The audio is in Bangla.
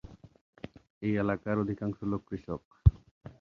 এই এলাকার অধিকাংশ লোক কৃষক।